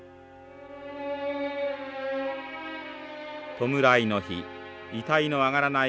弔いの日遺体のあがらない